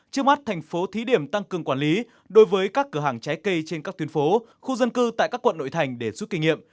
trước mắt thành phố thí điểm tăng cường quản lý đối với các cửa hàng trái cây trên các tuyến phố khu dân cư tại các quận nội thành để rút kinh nghiệm